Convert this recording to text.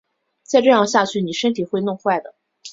再这样下去妳身体会弄坏的